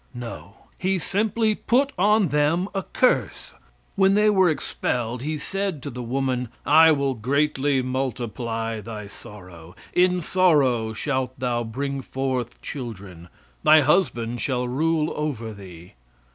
No; He simply put upon them a curse. When they were expelled He said to the woman: "I will greatly multiply thy sorrow. In sorrow shalt thou bring forth children. Thy husband shall rule over thee."